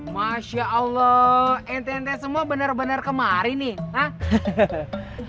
masya allah ente ente semua benar benar kemari nih